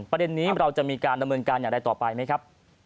ประเด็นนี้เราจะมีการดำเนินการอย่างไรต่อไปไหมครับ